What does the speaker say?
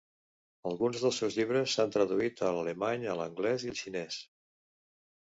Alguns dels seus llibres s'han traduït a l'alemany, a l'anglès i al xinès.